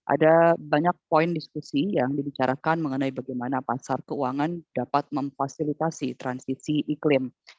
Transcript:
ada banyak poin diskusi yang dibicarakan mengenai bagaimana pasar keuangan dapat memfasilitasi transisi iklim